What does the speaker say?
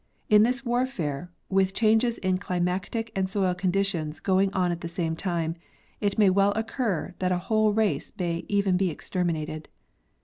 In this warfare, with changes in climatic and soil con ditions going on at the same time, it may well occur that a whole race may even be exterminated.